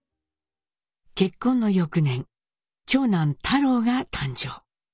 結婚の翌年長男太良が誕生。